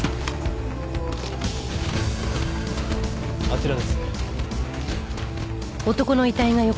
あちらですね。